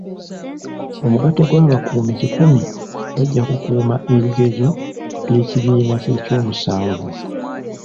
Omugatte gw'abakuumi kikumi bajja kukuuma ebigezo by'ekibiina ky'ekyomusanvu.